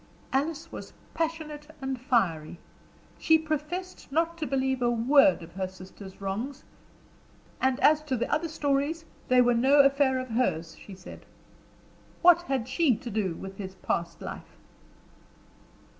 Alice was passionate and fiery. She professed not to believe a word of her sister's wrongs, and as to the other stories, they were no affairs of hers, she said: "what had she to do with his past life?"